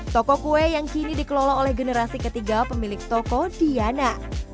toko kue yang kini dikelola oleh generasi ketiga pemilik toko diana